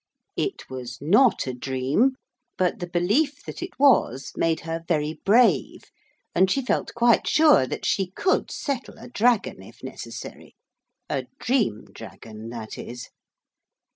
It was not a dream, but the belief that it was made her very brave, and she felt quite sure that she could settle a dragon, if necessary a dream dragon, that is.